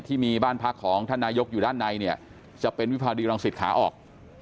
ที่มีบ้านพักของท่านนายกอยู่ด้านในเนี่ยจะเป็นวิภาดีรังสิตขาออก